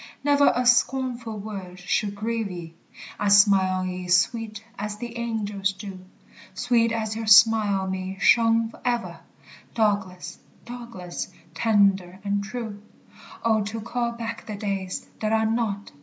Never a scornful word should grieve ye, I 'd smile on ye sweet as the angels do; Sweet as your smile on me shone ever, Douglas, Douglas, tender and true. Oh, to call back the days that are not!